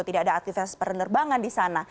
tidak ada aktivitas penerbangan di sana